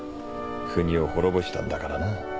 国を滅ぼしたんだからな。